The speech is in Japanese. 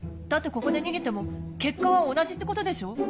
だってここで逃げても結果は同じってことでしょ？